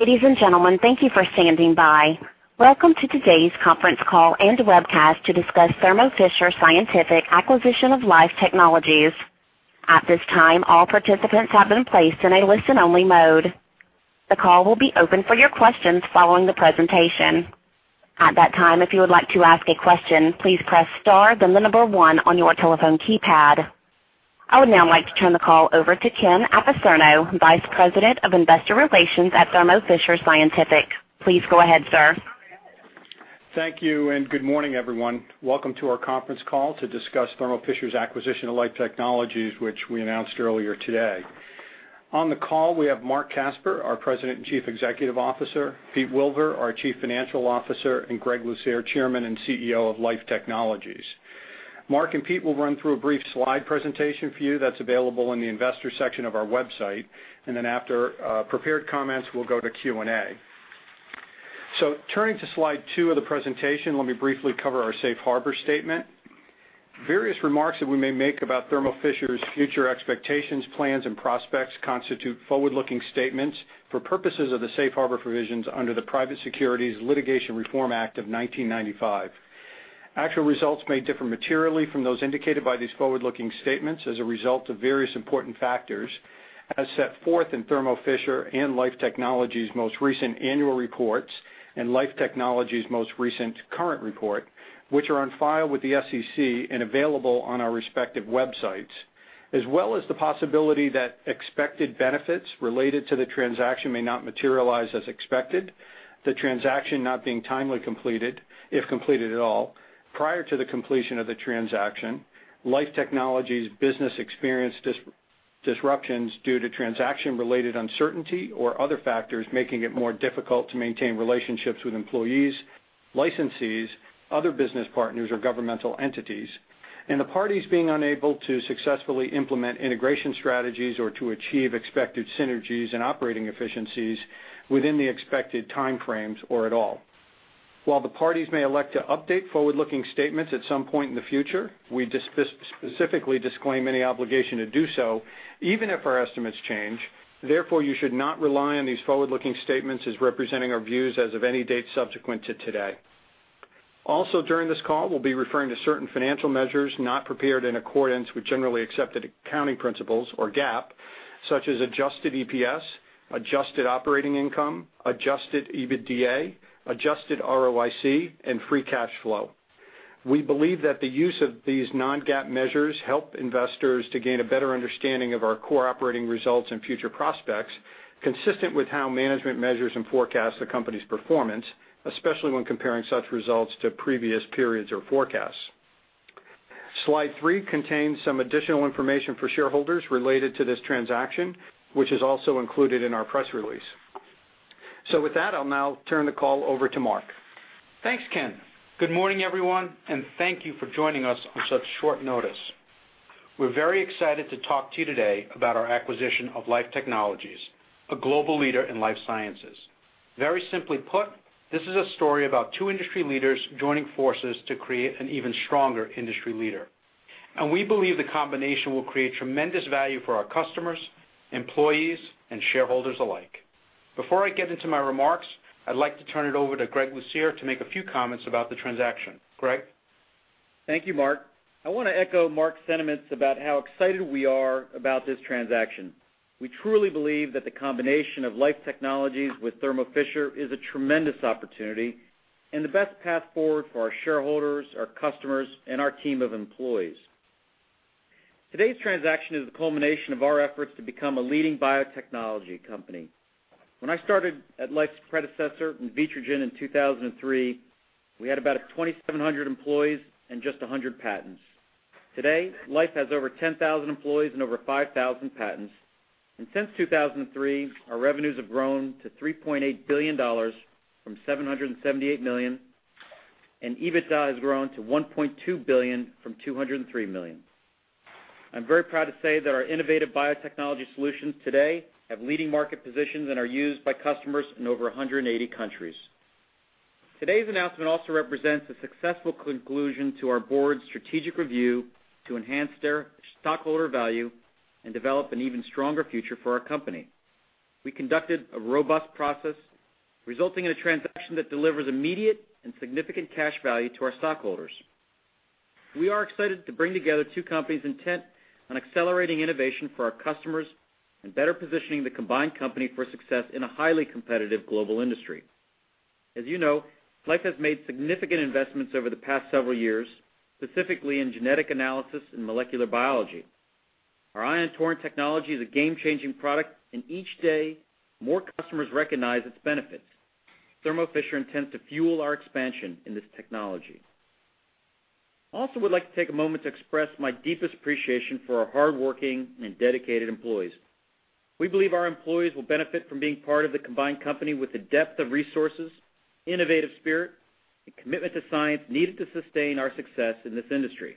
Ladies and gentlemen, thank you for standing by. Welcome to today's conference call and webcast to discuss Thermo Fisher Scientific acquisition of Life Technologies. At this time, all participants have been placed in a listen-only mode. The call will be open for your questions following the presentation. At that time, if you would like to ask a question, please press star, then the number one on your telephone keypad. I would now like to turn the call over to Kenneth Apicerno, Vice President of Investor Relations at Thermo Fisher Scientific. Please go ahead, sir. Thank you, good morning, everyone. Welcome to our conference call to discuss Thermo Fisher's acquisition of Life Technologies, which we announced earlier today. On the call, we have Marc Casper, our President and Chief Executive Officer, Peter Wilver, our Chief Financial Officer, and Greg Lucier, Chairman and CEO of Life Technologies. Marc and Pete will run through a brief slide presentation for you that's available in the investor section of our website. Then after prepared comments, we'll go to Q&A. Turning to slide two of the presentation, let me briefly cover our safe harbor statement. Various remarks that we may make about Thermo Fisher's future expectations, plans, and prospects constitute forward-looking statements for purposes of the safe harbor provisions under the Private Securities Litigation Reform Act of 1995. Actual results may differ materially from those indicated by these forward-looking statements as a result of various important factors as set forth in Thermo Fisher and Life Technologies' most recent annual reports and Life Technologies' most recent current report, which are on file with the SEC and available on our respective websites, as well as the possibility that expected benefits related to the transaction may not materialize as expected, the transaction not being timely completed, if completed at all. Prior to the completion of the transaction, Life Technologies' business experience disruptions due to transaction-related uncertainty or other factors making it more difficult to maintain relationships with employees, licensees, other business partners or governmental entities, and the parties being unable to successfully implement integration strategies or to achieve expected synergies and operating efficiencies within the expected time frames or at all. While the parties may elect to update forward-looking statements at some point in the future, we specifically disclaim any obligation to do so, even if our estimates change. Therefore, you should not rely on these forward-looking statements as representing our views as of any date subsequent to today. Also during this call, we'll be referring to certain financial measures not prepared in accordance with generally accepted accounting principles or GAAP, such as adjusted EPS, adjusted operating income, adjusted EBITDA, adjusted ROIC, and free cash flow. We believe that the use of these non-GAAP measures help investors to gain a better understanding of our core operating results and future prospects consistent with how management measures and forecasts the company's performance, especially when comparing such results to previous periods or forecasts. Slide three contains some additional information for shareholders related to this transaction, which is also included in our press release. With that, I'll now turn the call over to Marc. Thanks, Ken. Good morning, everyone, and thank you for joining us on such short notice. We're very excited to talk to you today about our acquisition of Life Technologies, a global leader in life sciences. Very simply put, this is a story about two industry leaders joining forces to create an even stronger industry leader. We believe the combination will create tremendous value for our customers, employees, and shareholders alike. Before I get into my remarks, I'd like to turn it over to Greg Lucier to make a few comments about the transaction. Greg? Thank you, Marc. I want to echo Marc's sentiments about how excited we are about this transaction. We truly believe that the combination of Life Technologies with Thermo Fisher is a tremendous opportunity and the best path forward for our shareholders, our customers, and our team of employees. Today's transaction is the culmination of our efforts to become a leading biotechnology company. When I started at Life's predecessor, Invitrogen, in 2003, we had about 2,700 employees and just 100 patents. Today, Life has over 10,000 employees and over 5,000 patents. Since 2003, our revenues have grown to $3.8 billion from $778 million, and EBITDA has grown to $1.2 billion from $203 million. I'm very proud to say that our innovative biotechnology solutions today have leading market positions and are used by customers in over 180 countries. Today's announcement also represents a successful conclusion to our board's strategic review to enhance their stockholder value and develop an even stronger future for our company. We conducted a robust process resulting in a transaction that delivers immediate and significant cash value to our stockholders. We are excited to bring together two companies intent on accelerating innovation for our customers and better positioning the combined company for success in a highly competitive global industry. As you know, Life has made significant investments over the past several years, specifically in genetic analysis and molecular biology. Our Ion Torrent technology is a game-changing product, and each day, more customers recognize its benefits. Thermo Fisher intends to fuel our expansion in this technology. I also would like to take a moment to express my deepest appreciation for our hardworking and dedicated employees. We believe our employees will benefit from being part of the combined company with the depth of resources, innovative spirit, and commitment to science needed to sustain our success in this industry.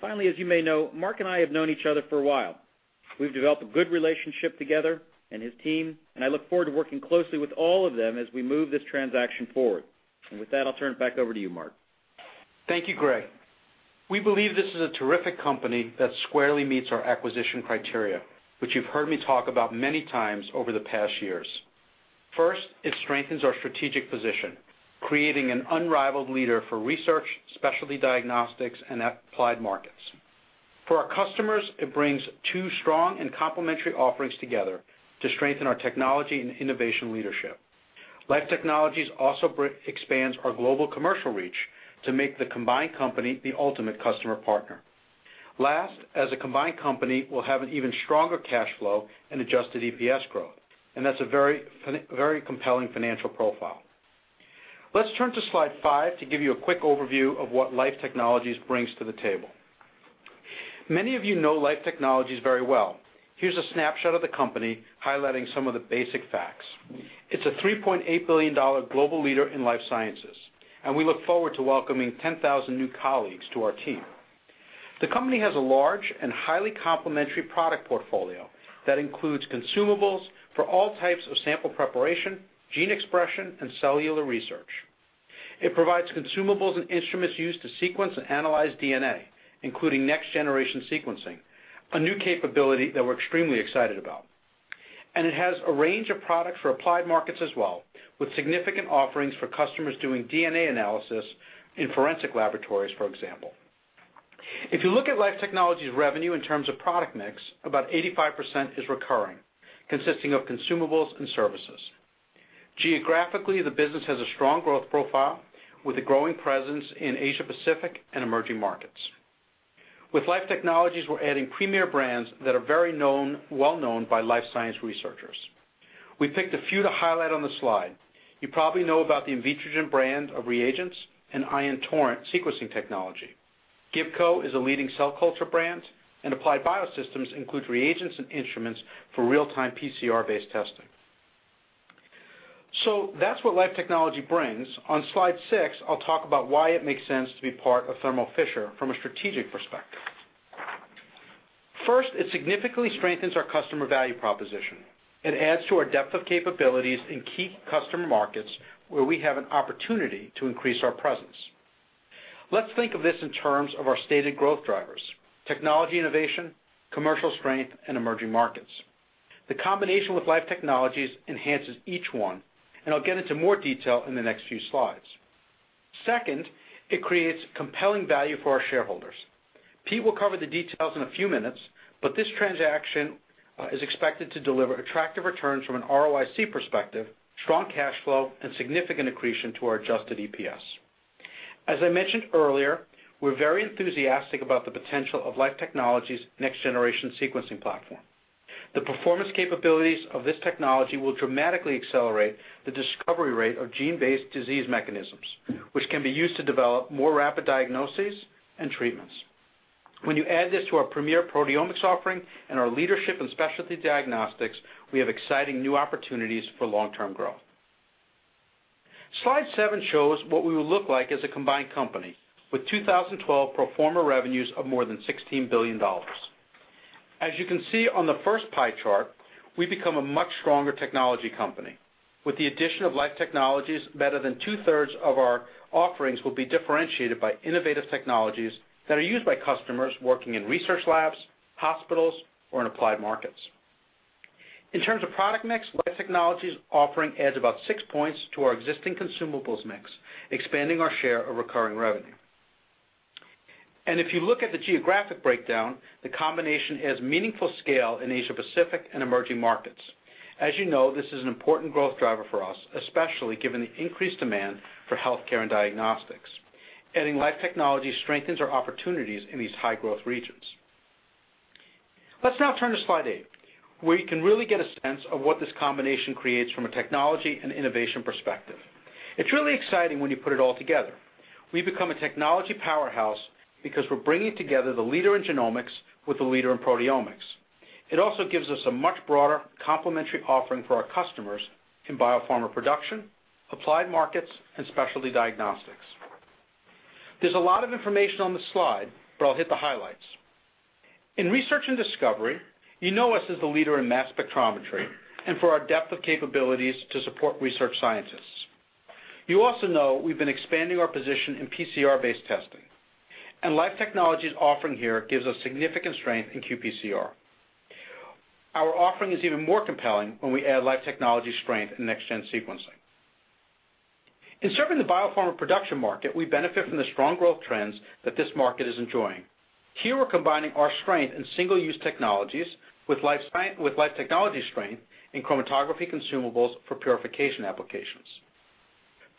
Finally, as you may know, Marc and I have known each other for a while. We've developed a good relationship together and his team, and I look forward to working closely with all of them as we move this transaction forward. With that, I'll turn it back over to you, Marc. Thank you, Greg. We believe this is a terrific company that squarely meets our acquisition criteria, which you've heard me talk about many times over the past years. First, it strengthens our strategic position, creating an unrivaled leader for research, specialty diagnostics, and applied markets. For our customers, it brings two strong and complementary offerings together to strengthen our technology and innovation leadership. Life Technologies also expands our global commercial reach to make the combined company the ultimate customer partner. Last, as a combined company, we'll have an even stronger cash flow and adjusted EPS growth, and that's a very compelling financial profile. Let's turn to slide five to give you a quick overview of what Life Technologies brings to the table. Many of you know Life Technologies very well. Here's a snapshot of the company highlighting some of the basic facts. It's a $3.8 billion global leader in life sciences, and we look forward to welcoming 10,000 new colleagues to our team. The company has a large and highly complementary product portfolio that includes consumables for all types of sample preparation, gene expression, and cellular research. It provides consumables and instruments used to sequence and analyze DNA, including next-generation sequencing, a new capability that we're extremely excited about. It has a range of products for applied markets as well, with significant offerings for customers doing DNA analysis in forensic laboratories, for example. If you look at Life Technologies' revenue in terms of product mix, about 85% is recurring, consisting of consumables and services. Geographically, the business has a strong growth profile, with a growing presence in Asia-Pacific and emerging markets. With Life Technologies, we're adding premier brands that are very well-known by life science researchers. We picked a few to highlight on the slide. You probably know about the Invitrogen brand of reagents and Ion Torrent sequencing technology. Gibco is a leading cell culture brand, and Applied Biosystems includes reagents and instruments for real-time PCR-based testing. That's what Life Technologies brings. On slide six, I'll talk about why it makes sense to be part of Thermo Fisher from a strategic perspective. First, it significantly strengthens our customer value proposition. It adds to our depth of capabilities in key customer markets where we have an opportunity to increase our presence. Let's think of this in terms of our stated growth drivers: technology innovation, commercial strength, and emerging markets. The combination with Life Technologies enhances each one, and I'll get into more detail in the next few slides. Second, it creates compelling value for our shareholders. Pete will cover the details in a few minutes, but this transaction is expected to deliver attractive returns from an ROIC perspective, strong cash flow, and significant accretion to our adjusted EPS. As I mentioned earlier, we're very enthusiastic about the potential of Life Technologies' next-generation sequencing platform. The performance capabilities of this technology will dramatically accelerate the discovery rate of gene-based disease mechanisms, which can be used to develop more rapid diagnoses and treatments. When you add this to our premier proteomics offering and our leadership in specialty diagnostics, we have exciting new opportunities for long-term growth. Slide seven shows what we will look like as a combined company with 2012 pro forma revenues of more than $16 billion. As you can see on the first pie chart, we become a much stronger technology company. With the addition of Life Technologies, better than two-thirds of our offerings will be differentiated by innovative technologies that are used by customers working in research labs, hospitals, or in applied markets. In terms of product mix, Life Technologies' offering adds about six points to our existing consumables mix, expanding our share of recurring revenue. If you look at the geographic breakdown, the combination adds meaningful scale in Asia-Pacific and emerging markets. As you know, this is an important growth driver for us, especially given the increased demand for healthcare and diagnostics. Adding Life Technologies strengthens our opportunities in these high-growth regions. Let's now turn to slide eight, where you can really get a sense of what this combination creates from a technology and innovation perspective. It's really exciting when you put it all together. We've become a technology powerhouse because we're bringing together the leader in genomics with the leader in proteomics. It also gives us a much broader complementary offering for our customers in biopharma production, applied markets, and specialty diagnostics. There's a lot of information on the slide, but I'll hit the highlights. In research and discovery, you know us as the leader in mass spectrometry and for our depth of capabilities to support research scientists. You also know we've been expanding our position in PCR-based testing. Life Technologies' offering here gives us significant strength in qPCR. Our offering is even more compelling when we add Life Technologies' strength in next-gen sequencing. In serving the biopharma production market, we benefit from the strong growth trends that this market is enjoying. Here we're combining our strength in single-use technologies with Life Technologies' strength in chromatography consumables for purification applications.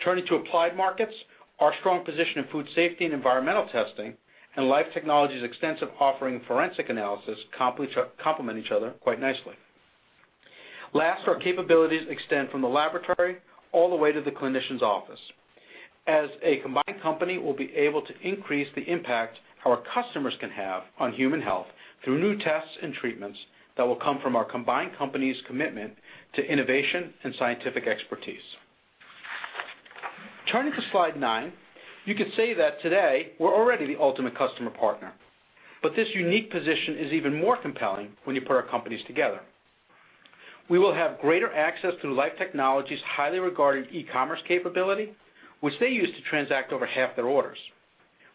Turning to applied markets, our strong position in food safety and environmental testing and Life Technologies' extensive offering in forensic analysis complement each other quite nicely. Last, our capabilities extend from the laboratory all the way to the clinician's office. As a combined company, we'll be able to increase the impact our customers can have on human health through new tests and treatments that will come from our combined company's commitment to innovation and scientific expertise. Turning to slide nine, you could say that today we're already the ultimate customer partner, but this unique position is even more compelling when you put our companies together. We will have greater access to Life Technologies' highly regarded e-commerce capability, which they use to transact over half their orders.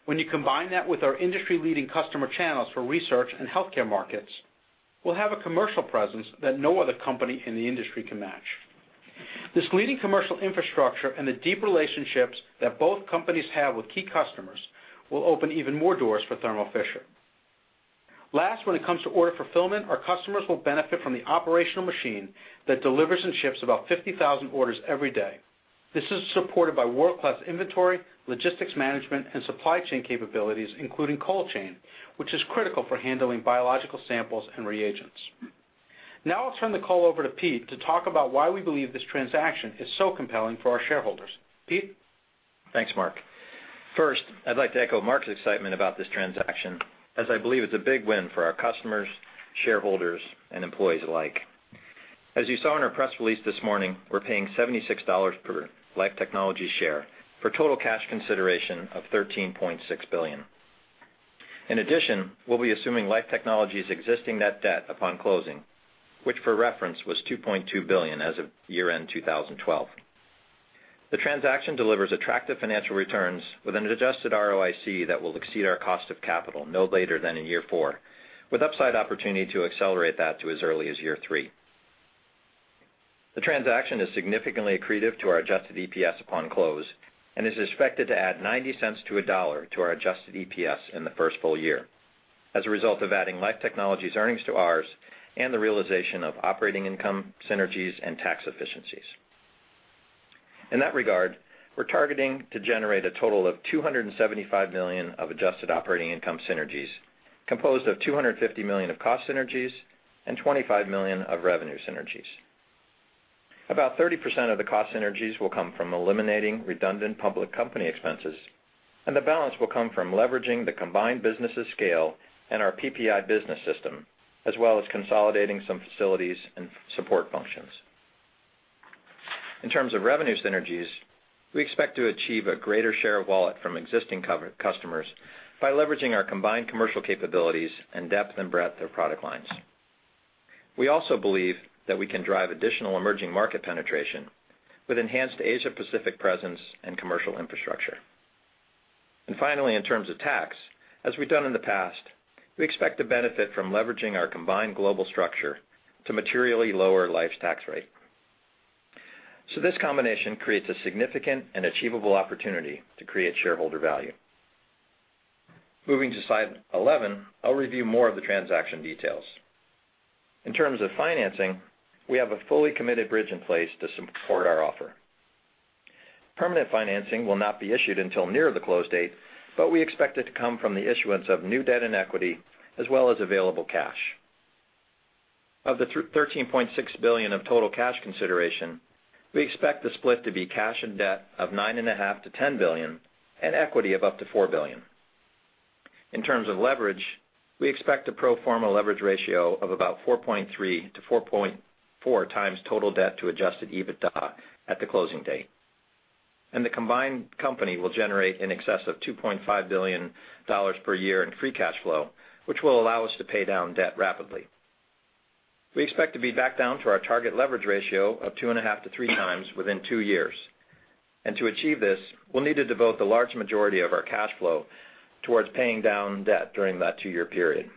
When you combine that with our industry-leading customer channels for research and healthcare markets, we'll have a commercial presence that no other company in the industry can match. This leading commercial infrastructure and the deep relationships that both companies have with key customers will open even more doors for Thermo Fisher. Last, when it comes to order fulfillment, our customers will benefit from the operational machine that delivers and ships about 50,000 orders every day. This is supported by world-class inventory, logistics management, and supply chain capabilities, including cold chain, which is critical for handling biological samples and reagents. Now I'll turn the call over to Pete to talk about why we believe this transaction is so compelling for our shareholders. Pete? Thanks, Marc. First, I'd like to echo Marc's excitement about this transaction, as I believe it's a big win for our customers, shareholders, and employees alike. As you saw in our press release this morning, we're paying $76 per Life Technologies share, for a total cash consideration of $13.6 billion. In addition, we'll be assuming Life Technologies' existing net debt upon closing, which, for reference, was $2.2 billion as of year-end 2012. The transaction delivers attractive financial returns with an adjusted ROIC that will exceed our cost of capital no later than in year four, with upside opportunity to accelerate that to as early as year three. The transaction is significantly accretive to our adjusted EPS upon close and is expected to add $0.90 to $1 to our adjusted EPS in the first full year, as a result of adding Life Technologies' earnings to ours and the realization of operating income synergies and tax efficiencies. In that regard, we're targeting to generate a total of $275 million of adjusted operating income synergies, composed of $250 million of cost synergies and $25 million of revenue synergies. About 30% of the cost synergies will come from eliminating redundant public company expenses. The balance will come from leveraging the combined businesses' scale and our PPI business system, as well as consolidating some facilities and support functions. In terms of revenue synergies, we expect to achieve a greater share of wallet from existing customers by leveraging our combined commercial capabilities and depth and breadth of product lines. We also believe that we can drive additional emerging market penetration with enhanced Asia-Pacific presence and commercial infrastructure. Finally, in terms of tax, as we've done in the past, we expect to benefit from leveraging our combined global structure to materially lower Life's tax rate. This combination creates a significant and achievable opportunity to create shareholder value. Moving to slide 11, I'll review more of the transaction details. In terms of financing, we have a fully committed bridge in place to support our offer. Permanent financing will not be issued until near the close date, but we expect it to come from the issuance of new debt and equity, as well as available cash. Of the $13.6 billion of total cash consideration, we expect the split to be cash and debt of $9.5 billion-$10 billion and equity of up to $4 billion. In terms of leverage, we expect a pro forma leverage ratio of about 4.3 to 4.4 times total debt to adjusted EBITDA at the closing date. The combined company will generate in excess of $2.5 billion per year in free cash flow, which will allow us to pay down debt rapidly. We expect to be back down to our target leverage ratio of 2.5 to 3 times within two years. To achieve this, we'll need to devote the large majority of our cash flow towards paying down debt during that two-year period.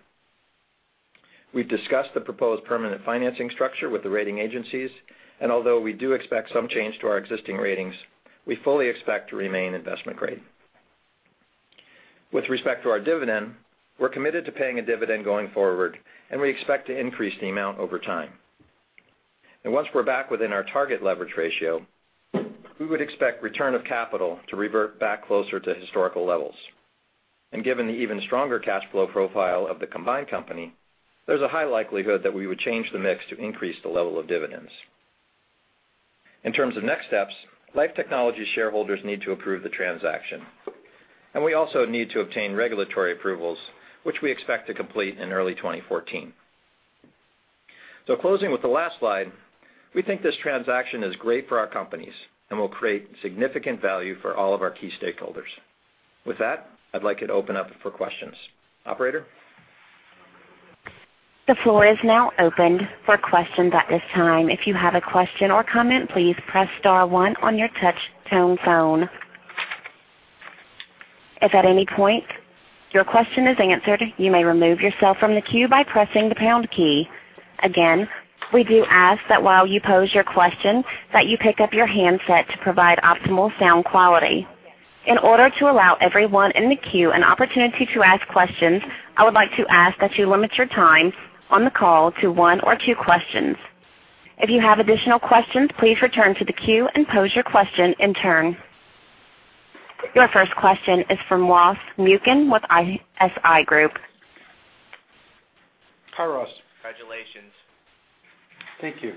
We've discussed the proposed permanent financing structure with the rating agencies, although we do expect some change to our existing ratings, we fully expect to remain investment grade. With respect to our dividend, we're committed to paying a dividend going forward, we expect to increase the amount over time. Once we're back within our target leverage ratio, we would expect return of capital to revert back closer to historical levels. Given the even stronger cash flow profile of the combined company, there's a high likelihood that we would change the mix to increase the level of dividends. In terms of next steps, Life Technologies shareholders need to approve the transaction. We also need to obtain regulatory approvals, which we expect to complete in early 2014. Closing with the last slide, we think this transaction is great for our companies and will create significant value for all of our key stakeholders. With that, I'd like to open up for questions. Operator? The floor is now open for questions at this time. If you have a question or comment, please press star one on your touchtone phone. If at any point your question is answered, you may remove yourself from the queue by pressing the pound key. Again, we do ask that while you pose your question, that you pick up your handset to provide optimal sound quality. In order to allow everyone in the queue an opportunity to ask questions, I would like to ask that you limit your time on the call to one or two questions. If you have additional questions, please return to the queue and pose your question in turn. Your first question is from Ross Muken with ISI Group. Hi, Ross. Congratulations. Thank you.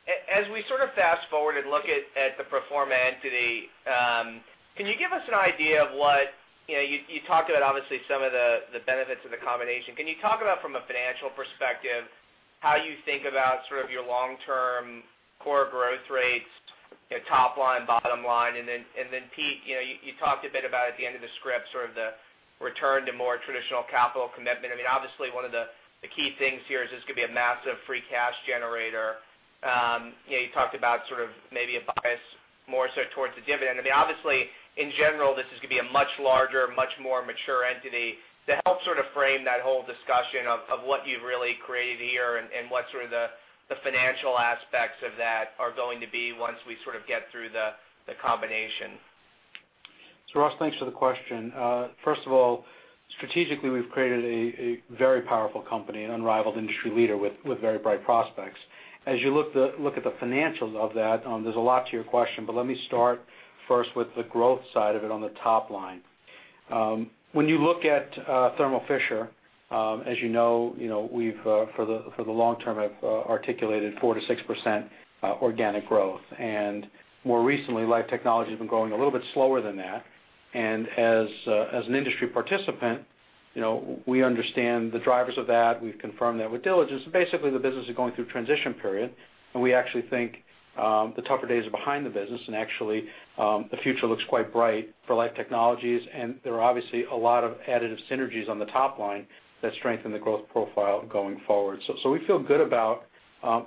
As we sort of fast-forward and look at the pro forma entity, can you give us an idea of what you talked about, obviously, some of the benefits of the combination. Can you talk about, from a financial perspective, how you think about sort of your long-term core growth rates? Top line, bottom line. Then, Pete, you talked a bit about at the end of the script, the return to more traditional capital commitment. Obviously, one of the key things here is this could be a massive free cash generator. You talked about maybe a bias more so towards the dividend. Obviously, in general, this is going to be a much larger, much more mature entity to help frame that whole discussion of what you've really created here and what the financial aspects of that are going to be once we get through the combination? Ross, thanks for the question. First of all, strategically, we've created a very powerful company, an unrivaled industry leader with very bright prospects. As you look at the financials of that, there's a lot to your question, but let me start first with the growth side of it on the top line. When you look at Thermo Fisher, as you know, we've, for the long term, have articulated 4%-6% organic growth. More recently, Life Technologies' been growing a little bit slower than that. As an industry participant, we understand the drivers of that. We've confirmed that with diligence. Basically, the business is going through a transition period, and we actually think the tougher days are behind the business. Actually, the future looks quite bright for Life Technologies, and there are obviously a lot of additive synergies on the top line that strengthen the growth profile going forward. We feel good about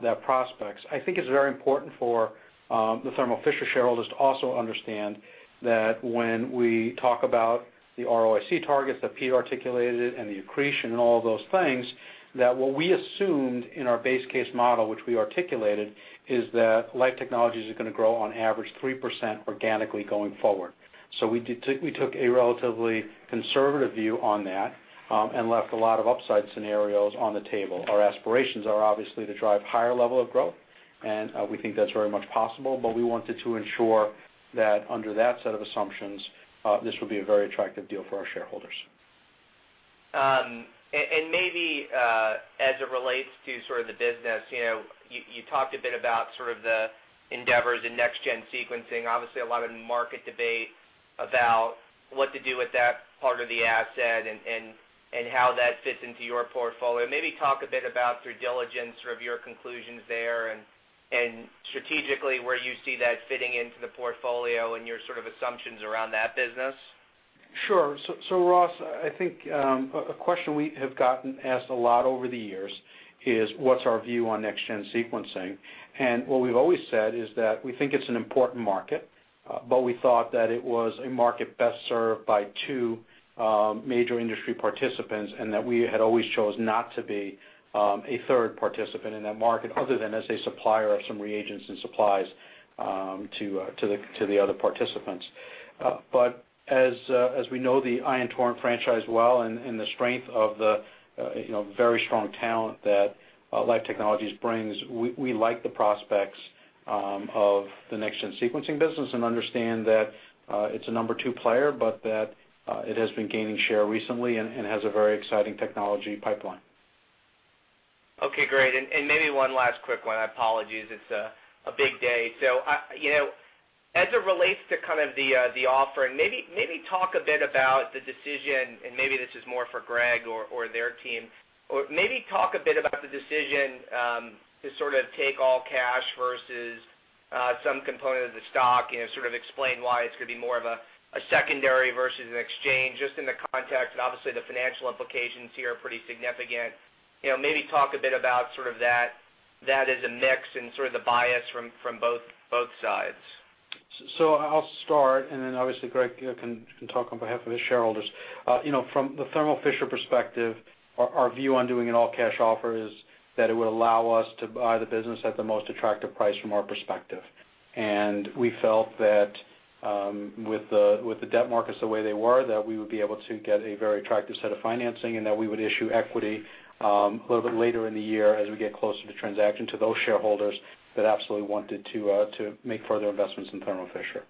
that prospects. I think it's very important for the Thermo Fisher shareholders to also understand that when we talk about the ROIC targets that Pete articulated and the accretion and all of those things, that what we assumed in our base case model, which we articulated, is that Life Technologies is going to grow on average 3% organically going forward. We took a relatively conservative view on that and left a lot of upside scenarios on the table. Our aspirations are obviously to drive a higher level of growth, and we think that's very much possible. We wanted to ensure that under that set of assumptions, this would be a very attractive deal for our shareholders. Maybe as it relates to the business, you talked a bit about the endeavors in next-generation sequencing. Obviously, a lot of market debate about what to do with that part of the asset and how that fits into your portfolio. Maybe talk a bit about, through diligence, your conclusions there and strategically where you see that fitting into the portfolio and your assumptions around that business. Sure. Ross, I think a question we have gotten asked a lot over the years is what's our view on next-generation sequencing? What we've always said is that we think it's an important market, we thought that it was a market best served by two major industry participants and that we had always chose not to be a third participant in that market other than as a supplier of some reagents and supplies to the other participants. As we know the Ion Torrent franchise well and the strength of the very strong talent that Life Technologies brings, we like the prospects of the next-generation sequencing business and understand that it's a number 2 player, that it has been gaining share recently and has a very exciting technology pipeline. Okay, great. Maybe one last quick one. I apologize. It's a big day. As it relates to the offering, maybe talk a bit about the decision, and maybe this is more for Greg or their team, or maybe talk a bit about the decision to take all cash versus some component of the stock, explain why it's going to be more of a secondary versus an exchange, just in the context, and obviously the financial implications here are pretty significant. Maybe talk a bit about that as a mix and the bias from both sides. I'll start, and then obviously Greg can talk on behalf of his shareholders. From the Thermo Fisher perspective, our view on doing an all-cash offer is that it would allow us to buy the business at the most attractive price from our perspective. We felt that with the debt markets the way they were, that we would be able to get a very attractive set of financing and that we would issue equity a little bit later in the year as we get closer to transaction to those shareholders that absolutely wanted to make further investments in Thermo Fisher.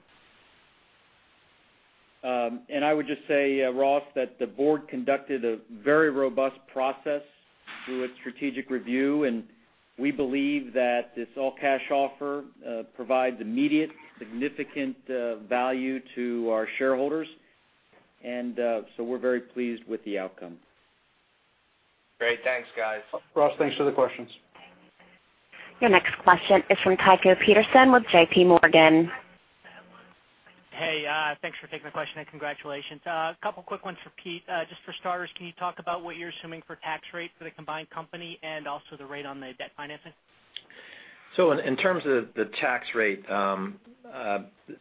I would just say, Ross, that the board conducted a very robust process through a strategic review, and we believe that this all-cash offer provides immediate, significant value to our shareholders. We're very pleased with the outcome. Great. Thanks, guys. Ross, thanks for the questions. Your next question is from Tycho Peterson with JPMorgan. Hey, thanks for taking the question and congratulations. A couple quick ones for Pete. Just for starters, can you talk about what you're assuming for tax rate for the combined company and also the rate on the debt financing? In terms of the tax rate,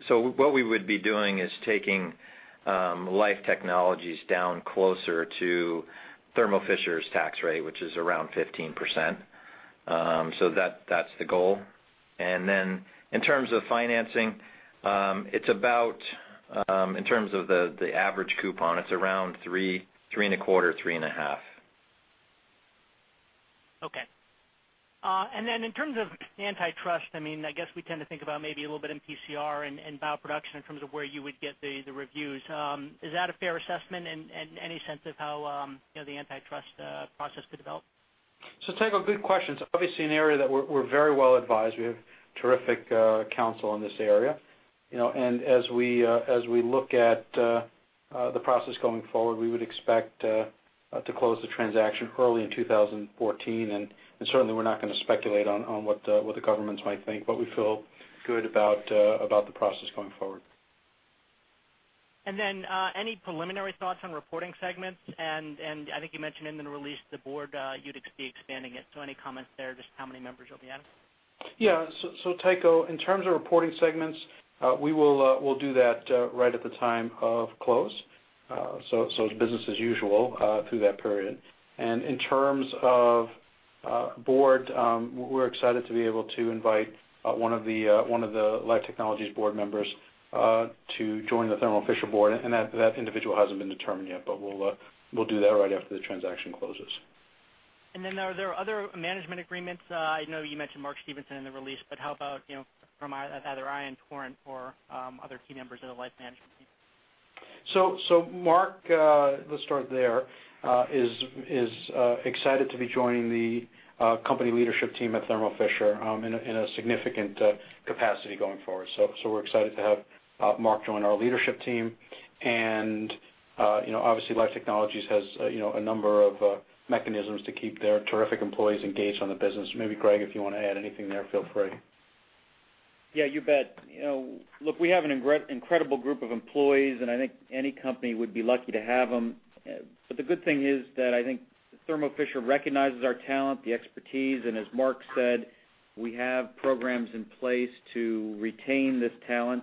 what we would be doing is taking Life Technologies down closer to Thermo Fisher's tax rate, which is around 15%. That's the goal. In terms of financing, in terms of the average coupon, it's around three and a quarter, three and a half. Okay. In terms of antitrust, I guess we tend to think about maybe a little bit in PCR and bioproduction in terms of where you would get the reviews. Is that a fair assessment and any sense of how the antitrust process could develop? Tycho, good question. It's obviously an area that we're very well advised. We have terrific counsel in this area. As we look at the process going forward, we would expect to close the transaction early in 2014. Certainly we're not going to speculate on what the governments might think, but we feel good about the process going forward. Any preliminary thoughts on reporting segments? I think you mentioned in the release, the board, you'd expect expanding it. Any comments there? Just how many members you'll be adding? Tycho, in terms of reporting segments, we'll do that right at the time of close. It's business as usual through that period. In terms of board, we're excited to be able to invite one of the Life Technologies board members to join the Thermo Fisher board, and that individual hasn't been determined yet, but we'll do that right after the transaction closes. Are there other management agreements? I know you mentioned Mark Stevenson in the release, but how about from either Ion Torrent or other key members of the Life management team? Mark, let's start there, is excited to be joining the company leadership team at Thermo Fisher in a significant capacity going forward. We're excited to have Mark join our leadership team and obviously Life Technologies has a number of mechanisms to keep their terrific employees engaged on the business. Maybe, Greg, if you want to add anything there, feel free. Yeah, you bet. Look, we have an incredible group of employees, and I think any company would be lucky to have them. The good thing is that I think Thermo Fisher recognizes our talent, the expertise, and as Marc said, we have programs in place to retain this talent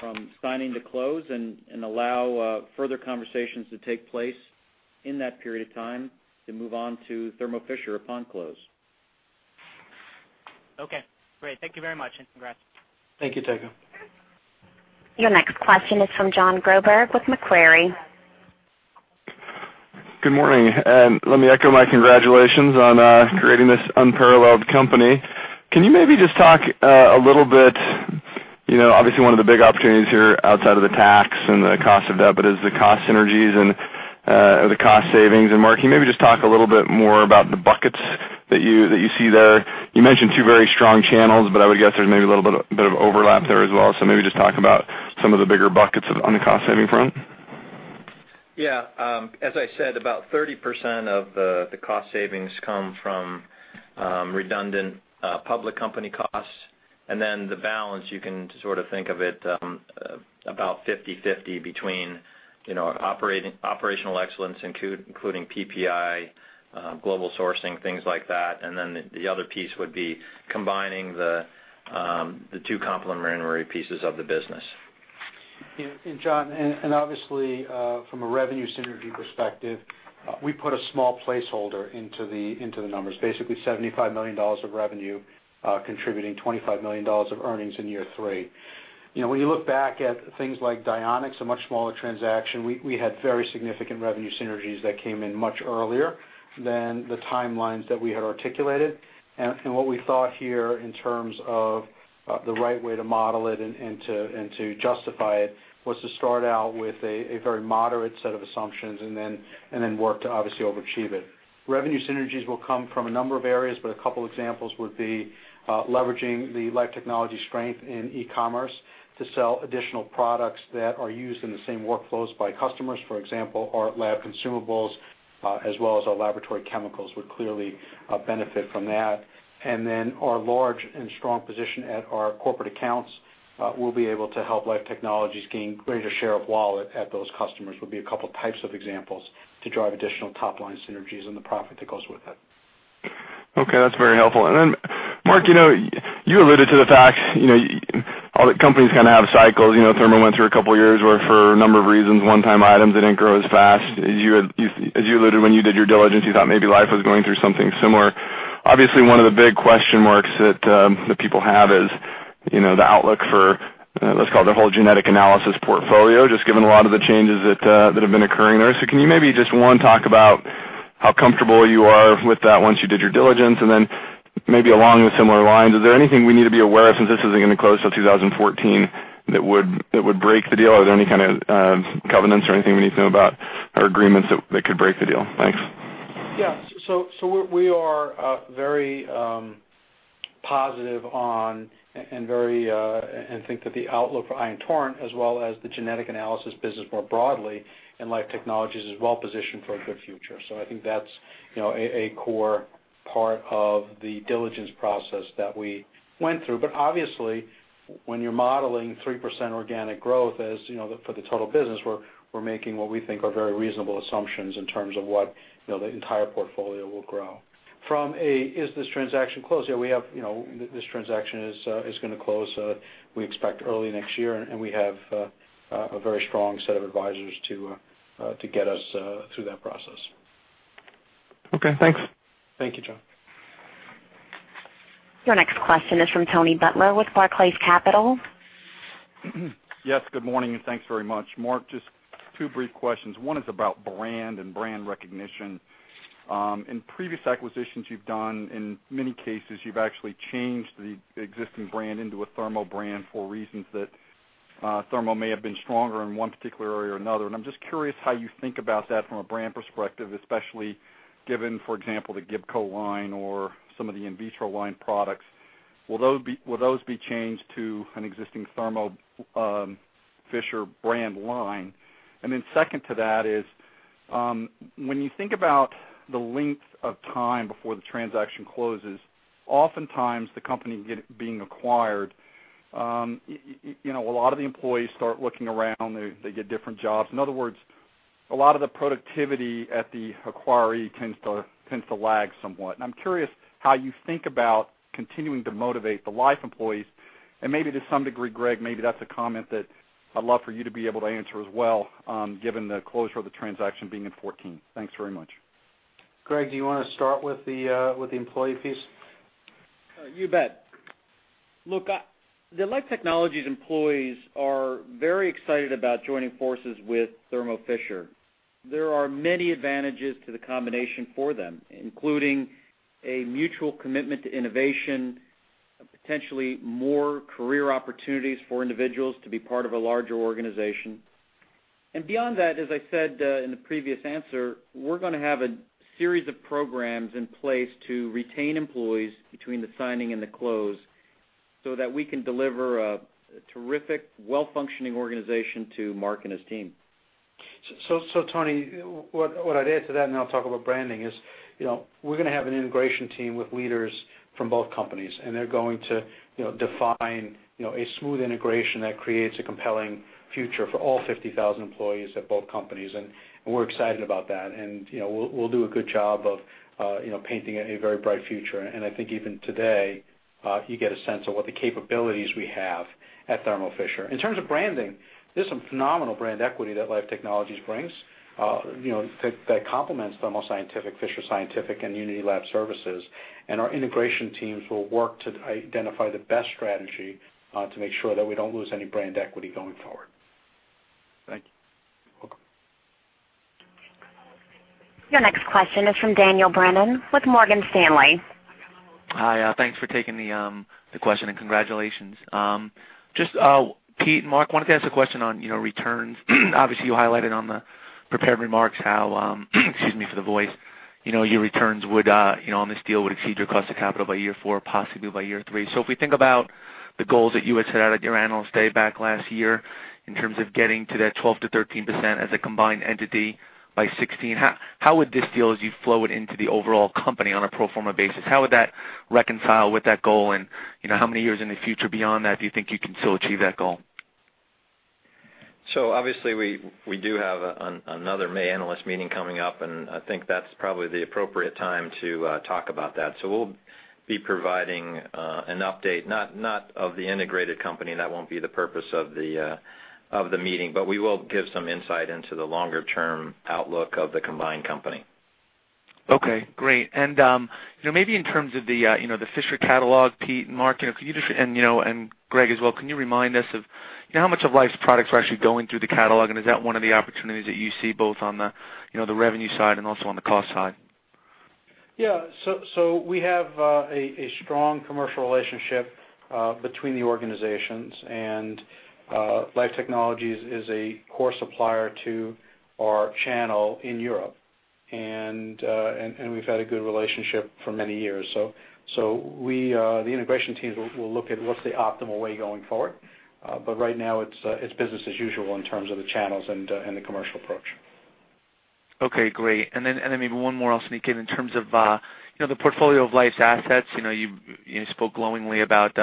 from signing to close and allow further conversations to take place in that period of time to move on to Thermo Fisher upon close. Okay, great. Thank you very much, and congrats. Thank you, Tycho. Your next question is from Jon Groberg with Macquarie. Good morning, let me echo my congratulations on creating this unparalleled company. Can you maybe just talk a little bit, obviously one of the big opportunities here outside of the tax and the cost of debt, is the cost synergies and the cost savings. Marc, can you maybe just talk a little bit more about the buckets that you see there? You mentioned two very strong channels, I would guess there's maybe a little bit of overlap there as well. Maybe just talk about some of the bigger buckets on the cost-saving front. As I said, about 30% of the cost savings come from redundant public company costs. The balance, you can sort of think of it, about 50/50 between operational excellence, including PPI, global sourcing, things like that. The other piece would be combining the two complementary pieces of the business. Jon, and obviously, from a revenue synergy perspective, we put a small placeholder into the numbers, basically $75 million of revenue, contributing $25 million of earnings in year three. When you look back at things like Dionex, a much smaller transaction, we had very significant revenue synergies that came in much earlier than the timelines that we had articulated. What we thought here in terms of the right way to model it and to justify it was to start out with a very moderate set of assumptions and then work to obviously overachieve it. Revenue synergies will come from a number of areas, a couple examples would be leveraging the Life Technologies strength in e-commerce to sell additional products that are used in the same workflows by customers. For example, our lab consumables, as well as our laboratory chemicals, would clearly benefit from that. Our large and strong position at our corporate accounts will be able to help Life Technologies gain greater share of wallet at those customers would be a couple types of examples to drive additional top-line synergies and the profit that goes with it. Okay, that's very helpful. Marc, you alluded to the fact, all the companies kind of have cycles. Thermo went through a couple of years where for a number of reasons, one-time items, they didn't grow as fast. As you alluded when you did your diligence, you thought maybe Life was going through something similar. Obviously, one of the big question marks that the people have is the outlook for, let's call it, the whole genetic analysis portfolio, just given a lot of the changes that have been occurring there. Can you maybe just, one, talk about how comfortable you are with that once you did your diligence? And then maybe along with similar lines, is there anything we need to be aware of since this isn't going to close till 2014 that would break the deal? Is there any kind of covenants or anything we need to know about, or agreements that could break the deal? Thanks. Yeah. We are very positive on, and think that the outlook for Ion Torrent, as well as the genetic analysis business more broadly, and Life Technologies is well positioned for a good future. I think that's a core part of the diligence process that we went through. Obviously, when you're modeling 3% organic growth for the total business, we're making what we think are very reasonable assumptions in terms of what the entire portfolio will grow. This transaction is going to close, we expect early next year, and we have a very strong set of advisors to get us through that process. Okay, thanks. Thank you, Jon. Your next question is from Tony Butler with Barclays Capital. Good morning, and thanks very much. Marc, just two brief questions. One is about brand and brand recognition. In previous acquisitions you've done, in many cases, you've actually changed the existing brand into a Thermo brand for reasons that Thermo may have been stronger in one particular area or another, and I'm just curious how you think about that from a brand perspective, especially given, for example, the Gibco line or some of the Invitrogen line products. Will those be changed to an existing Thermo Fisher brand line? Second to that is, when you think about the length of time before the transaction closes, oftentimes the company being acquired, a lot of the employees start looking around, they get different jobs. In other words, a lot of the productivity at the acquiree tends to lag somewhat, and I'm curious how you think about continuing to motivate the Life employees, and maybe to some degree, Greg, maybe that's a comment that I'd love for you to be able to answer as well, given the closure of the transaction being in 2014. Thanks very much. Greg, do you want to start with the employee piece? You bet. Look, the Life Technologies employees are very excited about joining forces with Thermo Fisher. There are many advantages to the combination for them, including a mutual commitment to innovation, potentially more career opportunities for individuals to be part of a larger organization. Beyond that, as I said in the previous answer, we're going to have a series of programs in place to retain employees between the signing and the close so that we can deliver a terrific, well-functioning organization to Marc and his team. Tony, what I'd add to that, and then I'll talk about branding is, we're going to have an integration team with leaders from both companies, they're going to define a smooth integration that creates a compelling future for all 50,000 employees at both companies, we're excited about that. We'll do a good job of painting a very bright future. I think even today, you get a sense of what the capabilities we have at Thermo Fisher. In terms of branding, there's some phenomenal brand equity that Life Technologies brings that complements Thermo Scientific, Fisher Scientific, and Unity Lab Services. Our integration teams will work to identify the best strategy, to make sure that we don't lose any brand equity going forward. Thank you. Welcome. Your next question is from Daniel Brennan with Morgan Stanley. Hi, thanks for taking the question and congratulations. Pete and Marc wanted to ask a question on returns. Obviously, you highlighted on the prepared remarks how, excuse me for the voice, your returns on this deal would exceed your cost of capital by year 4, possibly by year 3. If we think about the goals that you had set out at your Analyst Day back last year in terms of getting to that 12%-13% as a combined entity by 2016, how would this deal, as you flow it into the overall company on a pro forma basis, how would that reconcile with that goal? How many years in the future beyond that do you think you can still achieve that goal? Obviously we do have another May analyst meeting coming up, and I think that's probably the appropriate time to talk about that. We'll be providing an update, not of the integrated company, that won't be the purpose of the meeting, but we will give some insight into the longer-term outlook of the combined company. Okay, great. Maybe in terms of the Fisher Scientific catalog, Pete and Marc, can you and Greg as well, can you remind us of how much of Life Technologies' products are actually going through the catalog, and is that one of the opportunities that you see both on the revenue side and also on the cost side? Yeah. We have a strong commercial relationship between the organizations. Life Technologies is a core supplier to our channel in Europe, and we've had a good relationship for many years. The integration teams will look at what's the optimal way going forward. Right now it's business as usual in terms of the channels and the commercial approach. Okay, great. Then maybe one more I'll sneak in terms of the portfolio of Life Technologies' assets, you spoke glowingly about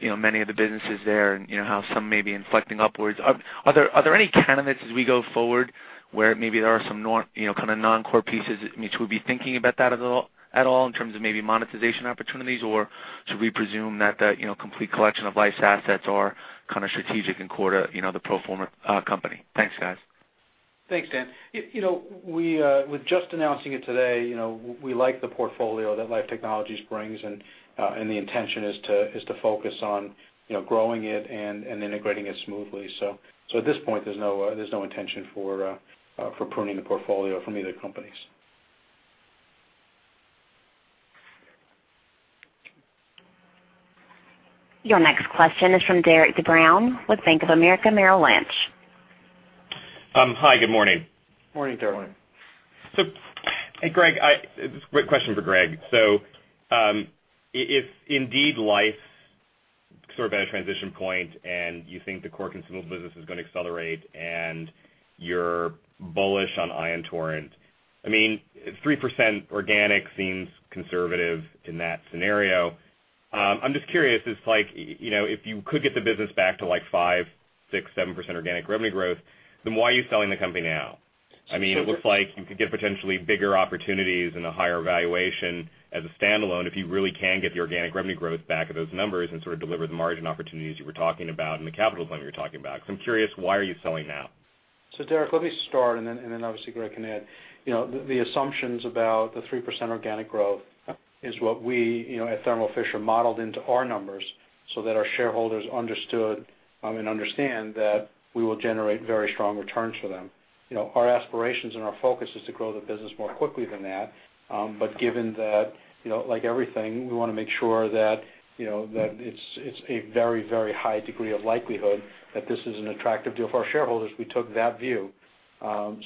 many of the businesses there and how some may be inflecting upwards. Are there any candidates as we go forward where maybe there are some kind of non-core pieces in which we'll be thinking about that at all in terms of maybe monetization opportunities? Or should we presume that the complete collection of Life Technologies' assets are kind of strategic at the core, the pro forma company? Thanks, guys. Thanks, Dan. With just announcing it today, we like the portfolio that Life Technologies brings. The intention is to focus on growing it and integrating it smoothly. At this point, there's no intention for pruning the portfolio from either companies. Your next question is from Derik de Bruin with Bank of America Merrill Lynch. Hi, good morning. Morning, Derik. Morning. Hey, Greg, this is a great question for Greg. If indeed Life is sort of at a transition point and you think the core consumables business is going to accelerate and you're bullish on Ion Torrent, I mean, 3% organic seems conservative in that scenario. I'm just curious, if you could get the business back to 5%, 6%, 7% organic revenue growth, then why are you selling the company now? It looks like you could get potentially bigger opportunities and a higher valuation as a standalone if you really can get the organic revenue growth back at those numbers and sort of deliver the margin opportunities you were talking about and the capital plan you were talking about. I'm curious, why are you selling now? Derik, let me start and obviously Greg can add. The assumptions about the 3% organic growth is what we at Thermo Fisher modeled into our numbers so that our shareholders understood, and understand that we will generate very strong returns for them. Our aspirations and our focus is to grow the business more quickly than that. Given that, like everything, we want to make sure that it's a very high degree of likelihood that this is an attractive deal for our shareholders. We took that view. That's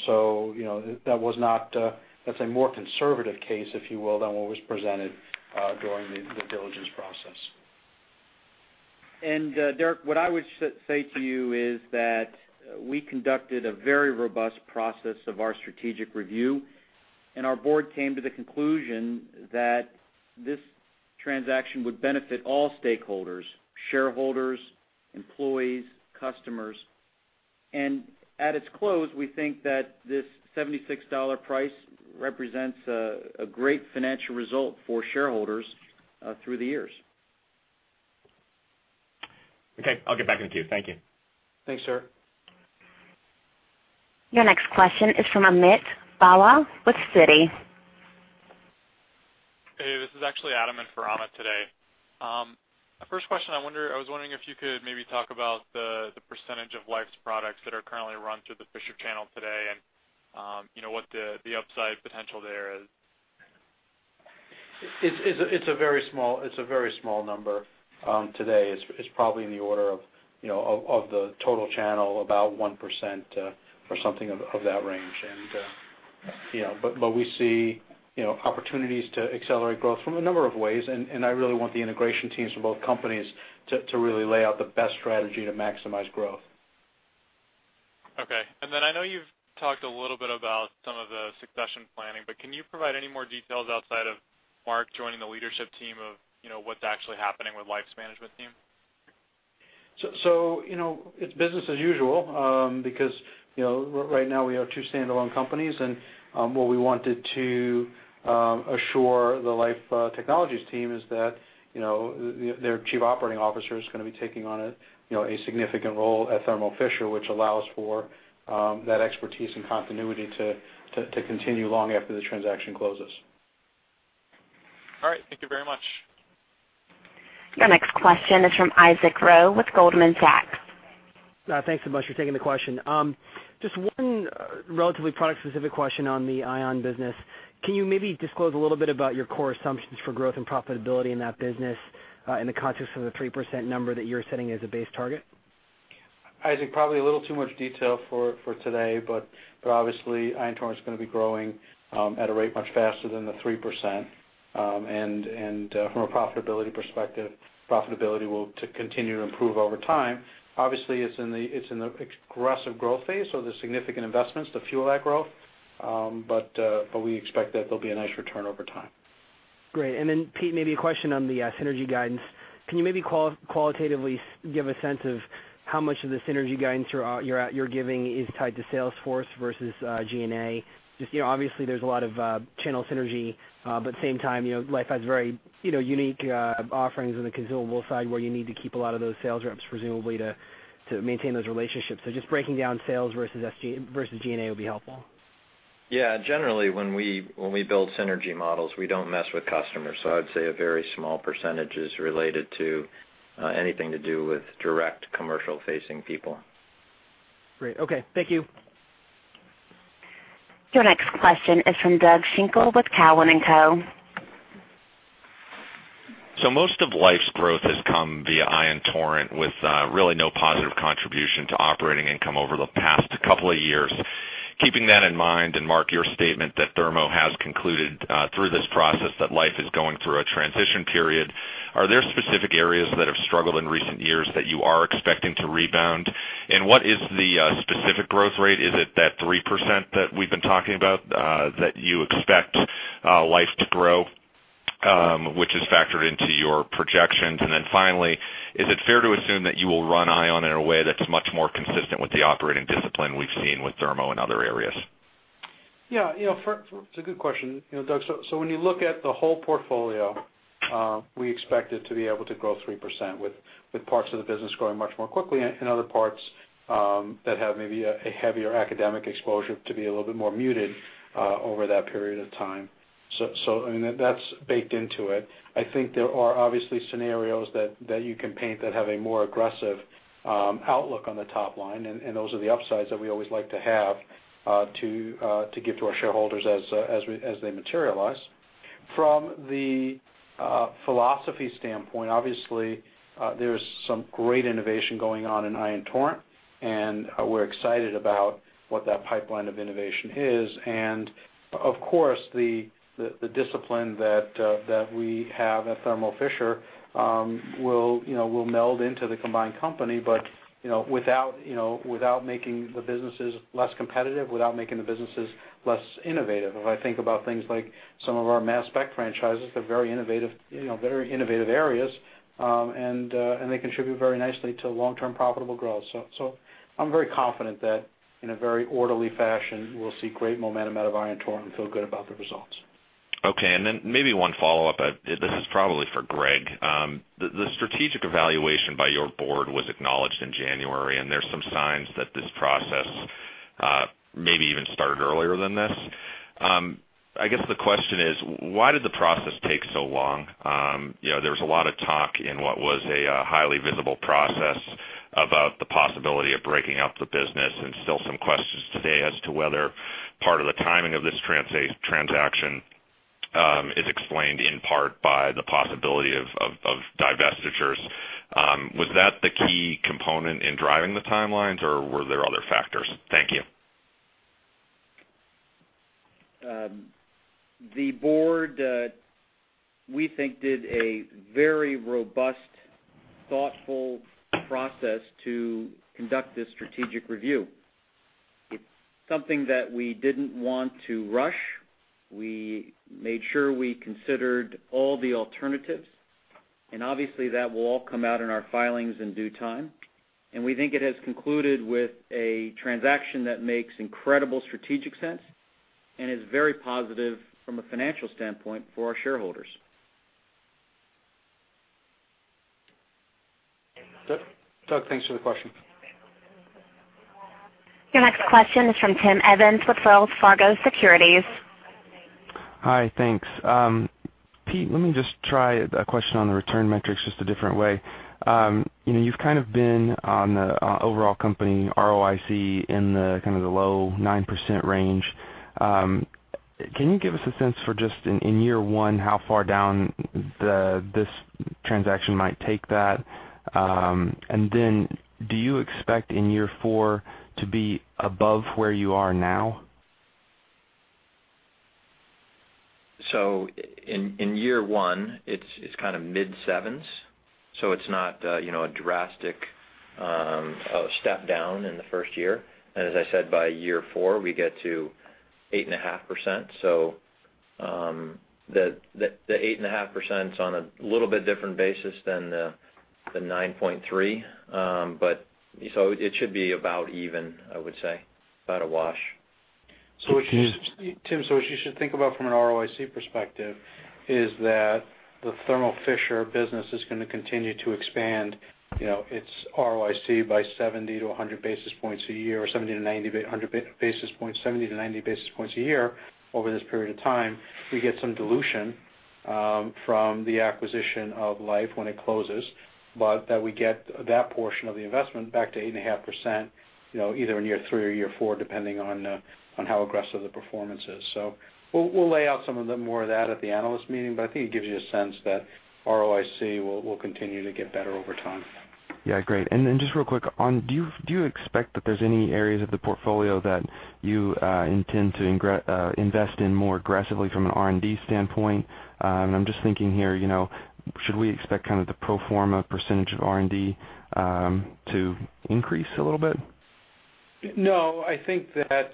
a more conservative case, if you will, than what was presented during the diligence process. Derik, what I would say to you is that we conducted a very robust process of our strategic review, and our board came to the conclusion that this transaction would benefit all stakeholders, shareholders, employees, customers. At its close, we think that this $76 price represents a great financial result for shareholders through the years. Okay. I'll get back in the queue. Thank you. Thanks, sir. Your next question is from Amit Bhalla with Citi. Hey, this is actually Adam in for Amit today. My first question, I was wondering if you could maybe talk about the percentage of Life's products that are currently run through the Fisher channel today and what the upside potential there is. It's a very small number today. It's probably in the order of the total channel, about 1% or something of that range. We see opportunities to accelerate growth from a number of ways, and I really want the integration teams from both companies to really lay out the best strategy to maximize growth. Okay. I know you've talked a little bit about some of the succession planning, but can you provide any more details outside of Mark joining the leadership team of what's actually happening with Life's management team? it's business as usual, because right now we are two standalone companies, and what we wanted to assure the Life Technologies team is that their chief operating officer is going to be taking on a significant role at Thermo Fisher, which allows for that expertise and continuity to continue long after the transaction closes. All right. Thank you very much. Your next question is from Isaac Ro with Goldman Sachs. Thanks so much for taking the question. Just one relatively product-specific question on the Ion business. Can you maybe disclose a little bit about your core assumptions for growth and profitability in that business in the context of the 3% number that you're setting as a base target? Isaac, probably a little too much detail for today, Ion Torrent is going to be growing at a rate much faster than the 3%. From a profitability perspective, profitability will continue to improve over time. Obviously, it's in the aggressive growth phase, so there's significant investments to fuel that growth. We expect that there'll be a nice return over time. Great. Pete, maybe a question on the synergy guidance. Can you maybe qualitatively give a sense of how much of the synergy guidance you're giving is tied to sales force versus G&A? Obviously, there's a lot of channel synergy, but at the same time, Life has very unique offerings on the consumable side where you need to keep a lot of those sales reps, presumably, to maintain those relationships. Just breaking down sales versus G&A would be helpful. Yeah. Generally, when we build synergy models, we don't mess with customers. I'd say a very small percentage is related to anything to do with direct commercial-facing people. Great. Okay. Thank you. Your next question is from Doug Schenkel with Cowen and Company. Most of Life's growth has come via Ion Torrent with really no positive contribution to operating income over the past couple of years. Keeping that in mind, and Marc, your statement that Thermo has concluded through this process that Life is going through a transition period, are there specific areas that have struggled in recent years that you are expecting to rebound? What is the specific growth rate? Is it that 3% that we've been talking about that you expect Life to grow, which is factored into your projections? Finally, is it fair to assume that you will run Ion in a way that's much more consistent with the operating discipline we've seen with Thermo in other areas? Yeah. It's a good question, Doug. When you look at the whole portfolio, we expect it to be able to grow 3% with parts of the business growing much more quickly and other parts that have maybe a heavier academic exposure to be a little bit more muted over that period of time. That's baked into it. I think there are obviously scenarios that you can paint that have a more aggressive outlook on the top line, and those are the upsides that we always like to have to give to our shareholders as they materialize. From the philosophy standpoint, obviously, there's some great innovation going on in Ion Torrent, we're excited about what that pipeline of innovation is. Of course, the discipline that we have at Thermo Fisher will meld into the combined company, but without making the businesses less competitive, without making the businesses less innovative. If I think about things like some of our mass spec franchises, they're very innovative areas, and they contribute very nicely to long-term profitable growth. I'm very confident that in a very orderly fashion, we'll see great momentum out of Ion Torrent and feel good about the results. Okay, and then maybe one follow-up. This is probably for Greg. The strategic evaluation by your board was acknowledged in January, and there's some signs that this process maybe even started earlier than this. I guess the question is, why did the process take so long? There was a lot of talk in what was a highly visible process about the possibility of breaking up the business and still some questions today as to whether part of the timing of this transaction is explained in part by the possibility of divestitures. Was that the key component in driving the timelines, or were there other factors? Thank you. The board, we think, did a very robust, thoughtful process to conduct this strategic review. It's something that we didn't want to rush. We made sure we considered all the alternatives, and obviously that will all come out in our filings in due time. We think it has concluded with a transaction that makes incredible strategic sense and is very positive from a financial standpoint for our shareholders. Doug, thanks for the question. Your next question is from Tim Evans with Wells Fargo Securities. Hi, thanks. Pete, let me just try a question on the return metrics just a different way. You've kind of been on the overall company ROIC in the low 9% range. Can you give us a sense for just in year one, how far down this transaction might take that? Then do you expect in year four to be above where you are now? In year one, it's kind of mid sevens, it's not a drastic step down in the first year. As I said, by year four, we get to 8.5%. The 8.5% is on a little bit different basis than the 9.3%, it should be about even, I would say, about a wash. Tim, what you should think about from an ROIC perspective is that the Thermo Fisher business is going to continue to expand its ROIC by 70 to 100 basis points a year, or 70 to 90 basis points a year over this period of time. We get some dilution from the acquisition of Life when it closes, that we get that portion of the investment back to 8.5%, either in year 3 or year 4, depending on how aggressive the performance is. We'll lay out some of the more of that at the analyst meeting, I think it gives you a sense that ROIC will continue to get better over time. Yeah, great. Then just real quick, do you expect that there's any areas of the portfolio that you intend to invest in more aggressively from an R&D standpoint? I'm just thinking here, should we expect the pro forma % of R&D to increase a little bit? No, I think that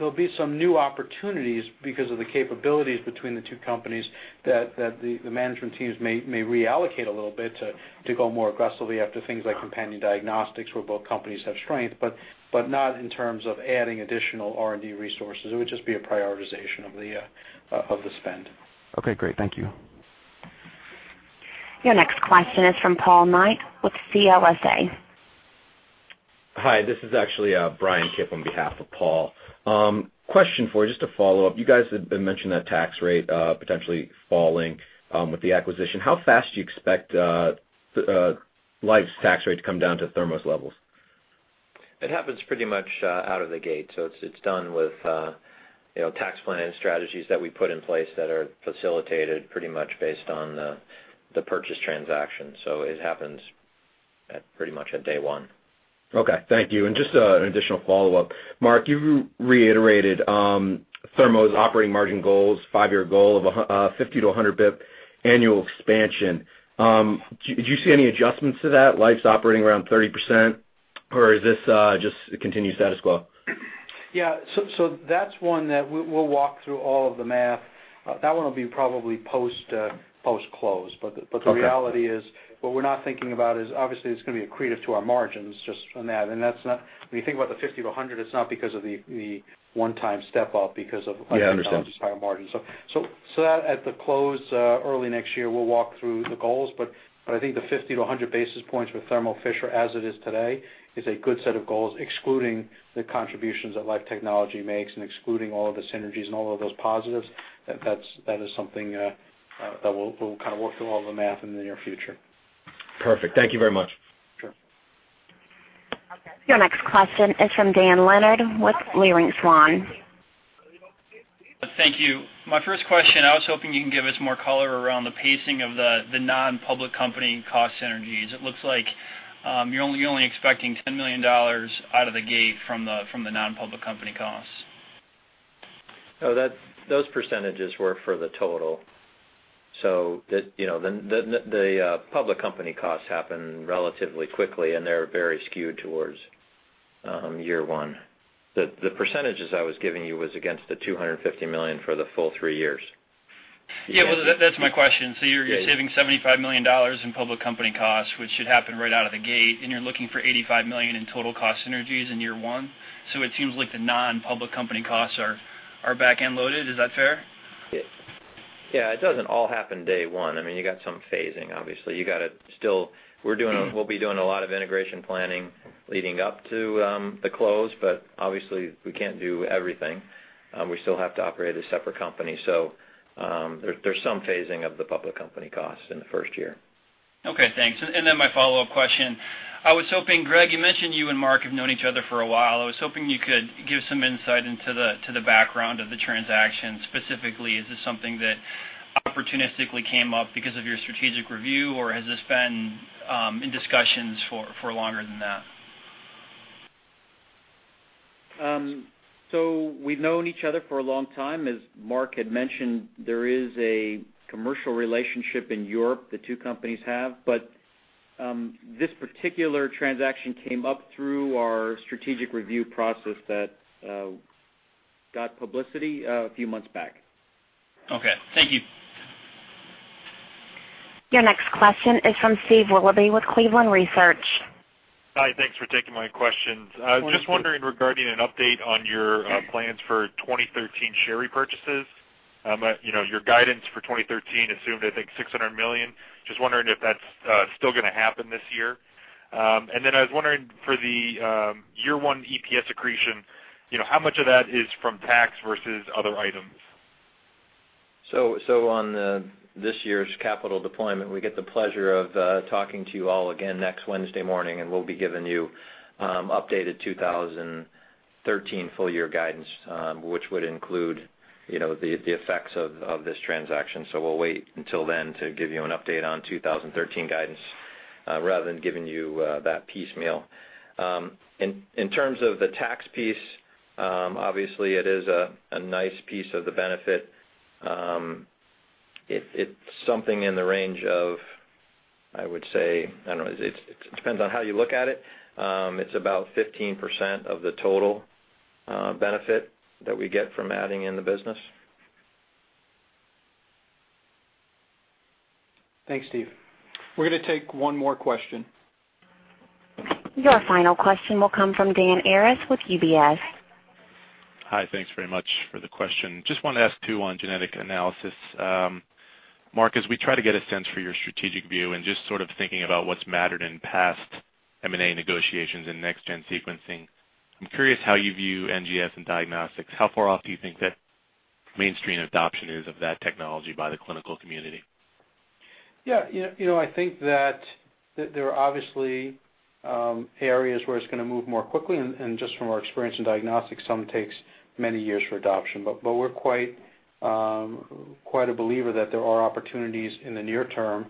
there'll be some new opportunities because of the capabilities between the two companies that the management teams may reallocate a little bit to go more aggressively after things like companion diagnostics, where both companies have strength, but not in terms of adding additional R&D resources. It would just be a prioritization of the spend. Okay, great. Thank you. Your next question is from Paul Knight with CLSA. Hi, this is actually Bryan Kipp on behalf of Paul. Question for you, just to follow up. You guys had mentioned that tax rate potentially falling with the acquisition. How fast do you expect Life's tax rate to come down to Thermo's levels? It happens pretty much out of the gate. It's done with tax planning strategies that we put in place that are facilitated pretty much based on the purchase transaction. It happens at pretty much at day one. Okay, thank you. Just an additional follow-up. Marc, you reiterated Thermo's operating margin goals, five-year goal of a 50 to 100 basis points annual expansion. Do you see any adjustments to that, Life's operating around 30%, or is this just continued status quo? Yeah. That's one that we'll walk through all of the math. That one will be probably post-close. Okay. The reality is, what we're not thinking about is obviously it's going to be accretive to our margins just from that. When you think about the 50 to 100, it's not because of the one-time step-up because of Life Technologies' higher margin. Yeah, I understand. That at the close early next year, we'll walk through the goals, I think the 50 to 100 basis points with Thermo Fisher as it is today, is a good set of goals, excluding the contributions that Life Technologies makes and excluding all of the synergies and all of those positives. That is something that we'll work through all the math in the near future. Perfect. Thank you very much. Sure. Your next question is from Dan Leonard with Leerink Partners LLC. Thank you. My first question, I was hoping you can give us more color around the pacing of the non-public company cost synergies. It looks like you're only expecting $10 million out of the gate from the non-public company costs. No, those percentages were for the total. The public company costs happen relatively quickly, and they're very skewed towards year one. The percentages I was giving you was against the $250 million for the full three years. Yeah, that's my question. You're saving $75 million in public company costs, which should happen right out of the gate, and you're looking for $85 million in total cost synergies in year one. It seems like the non-public company costs are back-end loaded. Is that fair? Yeah, it doesn't all happen day one. I mean, you got some phasing, obviously. We'll be doing a lot of integration planning leading up to the close, but obviously, we can't do everything. We still have to operate as separate companies. There's some phasing of the public company costs in the first year. Okay, thanks. My follow-up question. Greg, you mentioned you and Marc have known each other for a while. I was hoping you could give some insight into the background of the transaction. Specifically, is this something that opportunistically came up because of your strategic review, or has this been in discussions for longer than that? We've known each other for a long time. As Marc had mentioned, there is a commercial relationship in Europe the two companies have. This particular transaction came up through our strategic review process that got publicity a few months back. Okay. Thank you. Your next question is from Steve Willoughby with Cleveland Research. Hi. Thanks for taking my questions. Thank you. Just wondering regarding an update on your plans for 2013 share repurchases. Your guidance for 2013 assumed, I think, $600 million. Just wondering if that's still going to happen this year. I was wondering, for the year one EPS accretion, how much of that is from tax versus other items? On this year's capital deployment, we get the pleasure of talking to you all again next Wednesday morning, we'll be giving you updated 2013 full-year guidance, which would include the effects of this transaction. We'll wait until then to give you an update on 2013 guidance rather than giving you that piecemeal. In terms of the tax piece, obviously it is a nice piece of the benefit. It's something in the range of, I would say, I don't know, it depends on how you look at it. It's about 15% of the total benefit that we get from adding in the business. Thanks, Steve. We're going to take one more question. Your final question will come from Dan Arias with UBS. Hi. Thanks very much for the question. Just wanted to ask two on genetic analysis. Marc, as we try to get a sense for your strategic view and just sort of thinking about what's mattered in past M&A negotiations in next-gen sequencing, I'm curious how you view NGS and diagnostics. How far off do you think that mainstream adoption is of that technology by the clinical community? I think that there are obviously areas where it's going to move more quickly, and just from our experience in diagnostics, some takes many years for adoption. We're quite a believer that there are opportunities in the near term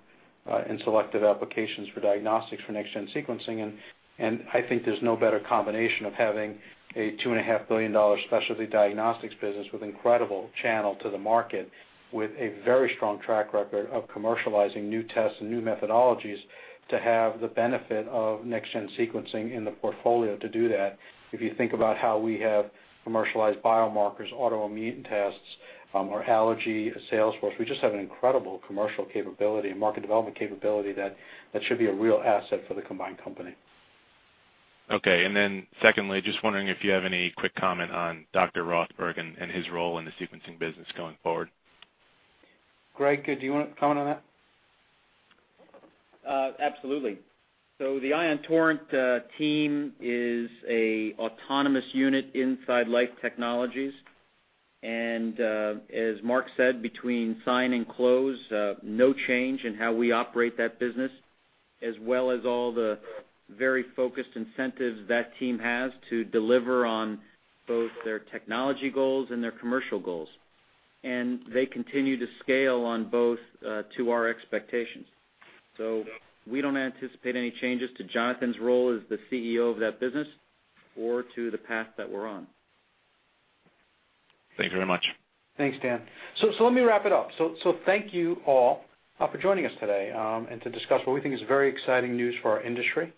in selected applications for diagnostics, for next-gen sequencing. I think there's no better combination of having a $2.5 billion specialty diagnostics business with incredible channel to the market, with a very strong track record of commercializing new tests and new methodologies to have the benefit of next-gen sequencing in the portfolio to do that. If you think about how we have commercialized biomarkers, autoimmune tests, our allergy sales force, we just have an incredible commercial capability and market development capability that should be a real asset for the combined company. Secondly, just wondering if you have any quick comment on Jonathan Rothberg and his role in the sequencing business going forward. Greg, do you want to comment on that? Absolutely. The Ion Torrent team is a autonomous unit inside Life Technologies. As Marc said, between sign and close, no change in how we operate that business, as well as all the very focused incentives that team has to deliver on both their technology goals and their commercial goals. They continue to scale on both to our expectations. We don't anticipate any changes to Jonathan's role as the CEO of that business or to the path that we're on. Thank you very much. Thanks, Dan. Let me wrap it up. Thank you all for joining us today and to discuss what we think is very exciting news for our industry.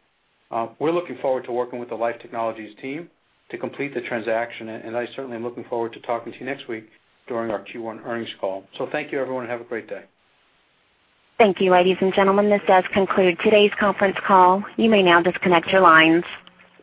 We're looking forward to working with the Life Technologies team to complete the transaction, and I certainly am looking forward to talking to you next week during our Q1 earnings call. Thank you, everyone, and have a great day. Thank you, ladies and gentlemen. This does conclude today's conference call. You may now disconnect your lines.